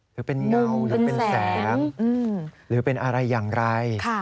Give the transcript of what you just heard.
หรือเป็นเงาหรือเป็นแสงหรือเป็นอะไรอย่างไร